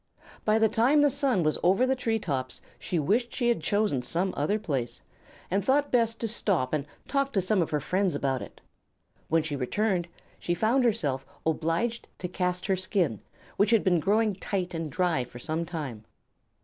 By the time the sun was over the tree tops, she wished she had chosen some other place, and thought best to stop and talk to some of her friends about it. When she returned she found herself obliged to cast her skin, which had been growing tight and dry for some time.